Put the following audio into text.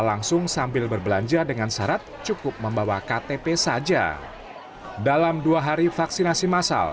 langsung sambil berbelanja dengan syarat cukup membawa ktp saja dalam dua hari vaksinasi masal